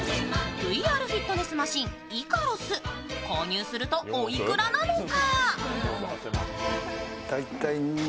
ＶＲフィットネスマシン、イカロス購入すると、おいくらなのか？